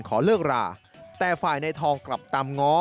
ขอเลิกราแต่ฝ่ายในทองกลับตามง้อ